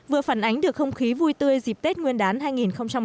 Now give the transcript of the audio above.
vừa phản ánh được không khí vui tươi dịp tết nguyên đán hai nghìn một mươi tám